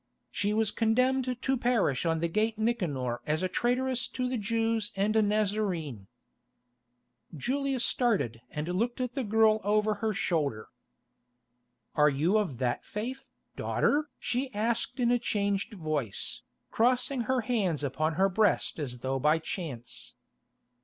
She was condemned to perish on the gate Nicanor as a traitress to the Jews and a Nazarene." Julia started and looked at the girl over her shoulder. "Are you of that faith, daughter?" she asked in a changed voice, crossing her hands upon her breast as though by chance.